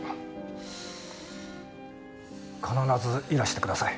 必ずいらしてください。